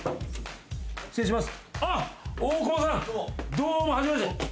どうも初めまして。